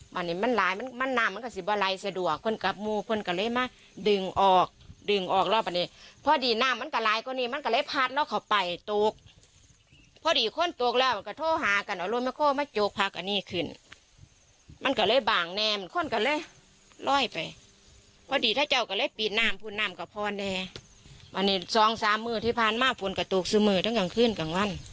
พอเนี่ยวันนี้สองสามเมื่อที่ผ่านมาฝนกระตูกซึ่งเมื่อทั้งกลางคืนกลางวัน